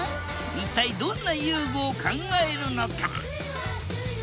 一体どんな遊具を考えるのか？